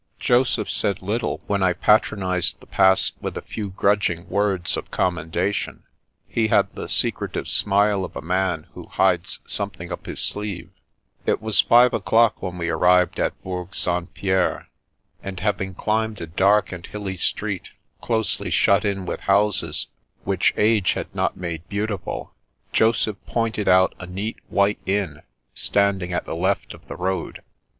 Joseph said little when I patronised the Pass with a few gnidging words of commendation. He had the secretive smile of a man who hides something up his sleeve. loo The Princess Passes It was five o'clock when we arrived at Bourg St. Pierre, and having climbed a dark and hilly street, closely shut in with houses which age had not made beautiful, Joseph pointed out a neat, white inn, standing at the left of the road.